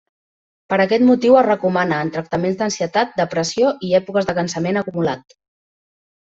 Per aquest motiu es recomana en tractaments d’ansietat, depressió i èpoques de cansament acumulat.